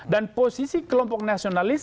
dan posisi kelompok nasionalis